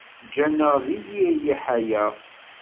Ǧǧan-aɣ deg yir liḥala.